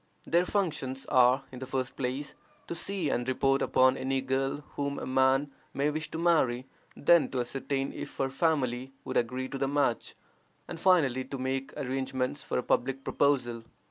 Their functions are, in the first place, to see and report upon any girl whom a man may wish to marry; then to ascertain if her family would agree to the match, and, finally, to make arrangements for a public proposal.